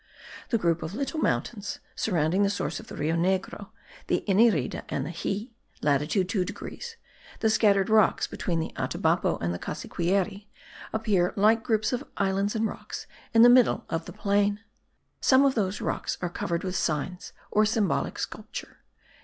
The group of little mountains surrounding the source of the Rio Negro, the Inirida and the Xie (latitude 2 degrees) the scattered rocks between the Atabapo and the Cassiquiare, appear like groups of islands and rocks in the middle of the plain. Some of those rocks are covered with signs or symbolical sculpture.